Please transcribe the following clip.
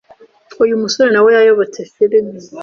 uyu musore nawe yayobotse filme